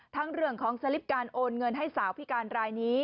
เรื่องของสลิปการโอนเงินให้สาวพิการรายนี้